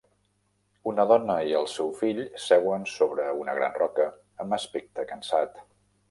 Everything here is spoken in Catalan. Una dona i el seu fill seuen sobre una gran roca amb aspecte cansat.